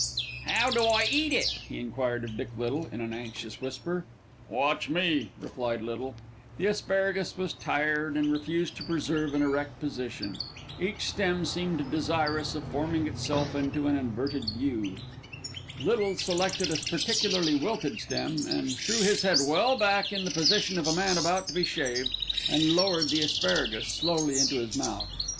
"How do I eat it?" he enquired of Dick Little in an anxious whisper. "Watch me," replied Little. The asparagus was tired and refused to preserve an erect position. Each stem seemed desirous of forming itself into an inverted "U." Little selected a particularly wilted stem and threw his head well back in the position of a man about to be shaved, and lowered the asparagus slowly into his mouth.